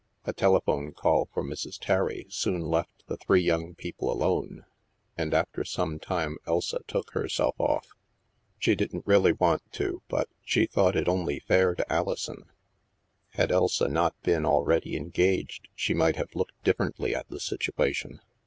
A telephone call for Mrs. Terry soon left the three young people alone, and after some time Elsa took herself off. She didn't really want to, but she thought it only fair to Alison ; had Elsa not been already engaged, she might have looked differently at the situation.